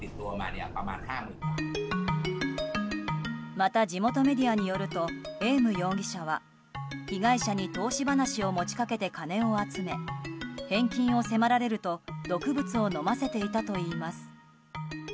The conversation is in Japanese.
また地元メディアによるとエーム容疑者は被害者に投資話を持ち掛けて金を集め返金を迫られると毒物を飲ませていたといいます。